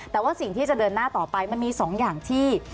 แต่ว่าสิ่งที่จะเดินหน้าต่อไปมันมี๒อย่างที่